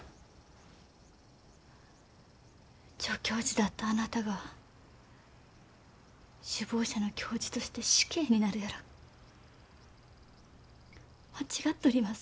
助教授だったあなたが首謀者の教授として死刑になるやら間違っとります。